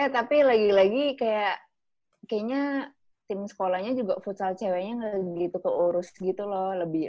tapi lagi lagi kayaknya tim sekolahnya juga futsal ceweknya gak gitu keurus gitu loh